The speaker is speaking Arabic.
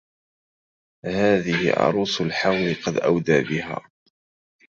هذه عروس الحول قد أودى بها